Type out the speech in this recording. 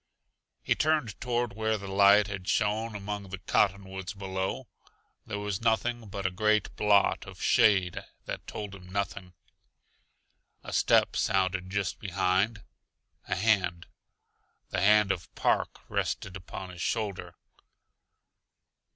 He turned toward where the light had shone among the cottonwoods below; there was nothing but a great blot of shade that told him nothing. A step sounded just behind. A hand, the hand of Park, rested upon his shoulder.